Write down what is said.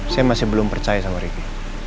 saya masih belum percaya sama ricky